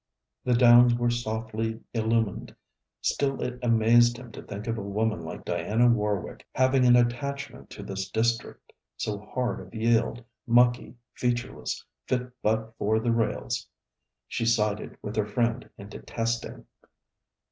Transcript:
The Downs were softly illumined; still it amazed him to think of a woman like Diana Warwick having an attachment to this district, so hard of yield, mucky, featureless, fit but for the rails she sided with her friend in detesting.